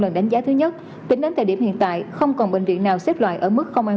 lần đánh giá thứ nhất tính đến thời điểm hiện tại không còn bệnh viện nào xếp loại ở mức công an